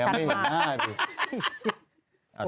ไหนอ่ะไม่เห็นหน้ายัง